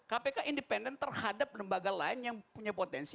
kpk independen terhadap lembaga lain yang punya potensi